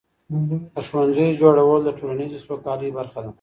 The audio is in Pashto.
د ښوونځیو جوړول د ټولنیزې سوکالۍ برخه ده.